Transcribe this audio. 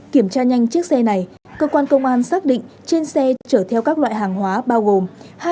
kiểm tra nhanh chiếc xe này cơ quan công an xác định trên xe chở theo các loại hàng hóa bao gồm